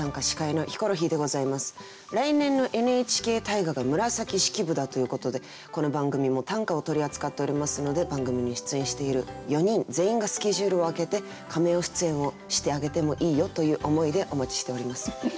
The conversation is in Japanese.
来年のＮＨＫ大河が紫式部だということでこの番組も短歌を取り扱っておりますので番組に出演している４人全員がスケジュールを空けてカメオ出演をしてあげてもいいよという思いでお待ちしております。